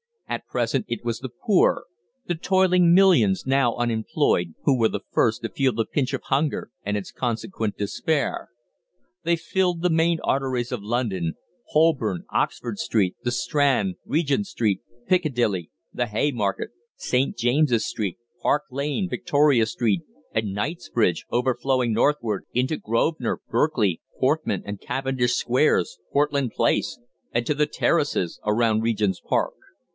At present it was the poor the toiling millions now unemployed who were the first to feel the pinch of hunger and its consequent despair. They filled the main arteries of London Holborn, Oxford Street, the Strand, Regent Street, Piccadilly, the Haymarket, St. James's Street, Park Lane, Victoria Street, and Knightsbridge, overflowing northward into Grosvenor, Berkeley, Portman, and Cavendish Squares, Portland Place, and to the terraces around Regent's Park.